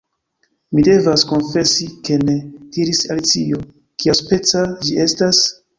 "Mi devas konfesi ke ne," diris Alicio. "Kiaspeca ĝi estas?"